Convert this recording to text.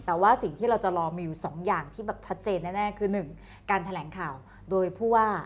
แต่ว่าสิ่งที่เราจะรอมีอยู่๒อย่างที่แบบชัดเจนแน่คือ๑การแถลงข่าวโดยผู้ว่า